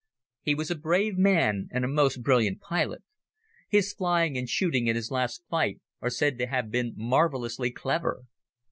He was a brave man and a most brilliant pilot. His flying and shooting in his last fight are said to have been marvelously clever.